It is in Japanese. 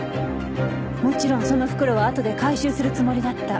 もちろんその袋は後で回収するつもりだった。